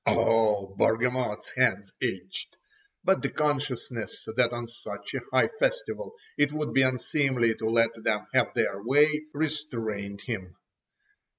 Ugh! Bargamot's hands itched—but the consciousness that on such a high festival it would be unseemly to let them have their way, restrained him.